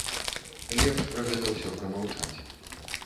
Лепш пра гэта ўсё прамаўчаць.